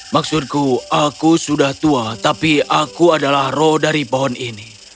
maksudku aku sudah tua tapi aku adalah roh dari pohon ini